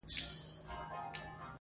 • ستا د حُسن د الهام جام یې څښلی..